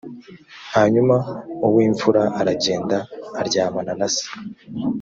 hanyuma uw’ imfura aragenda aryamana na se